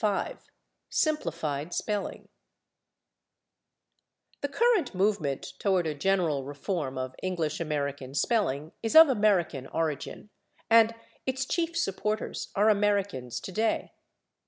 § 5 /Simplified Spelling/ The current movement toward a general reform of English American spelling is of American origin, and its chief supporters are Americans today.